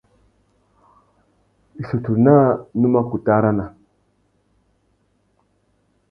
Issutu naā nu mà kutu arana.